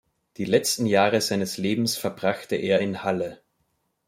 Die letzten Jahre seines Lebens verbrachte er in Halle.